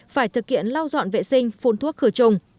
phải thực hiện lau dọn vệ sinh phun thuốc khử trùng